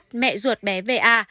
chị taylor mẹ ruột bé v a